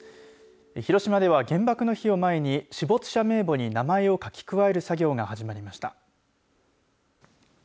広島では原爆の日を前に死没者名簿に名前を書き加える作業が始まりました。